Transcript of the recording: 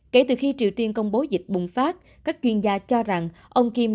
kể từ khi triều tiên công bố dịch bùng phát các chuyên gia cho rằng